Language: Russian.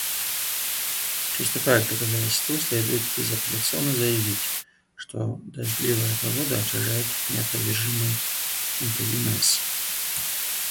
Приступая к доказательству следует безапелляционно заявить, что дождливая погода отражает неопровержимый онтогенез.